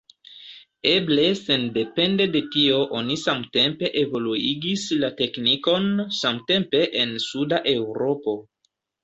Eble sendepende de tio oni samtempe evoluigis la teknikon samtempe en suda Eŭropo.